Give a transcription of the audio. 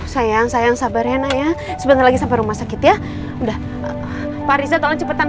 sayang sayang sabar ya nayang sebetulnya lagi sampai rumah sakit ya udah parisa tolong cepetan